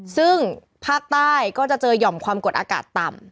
ซึ่งภาคใต้ก็จะเจอหย่อมความกดอากาศต่ำ